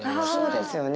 そうですよね。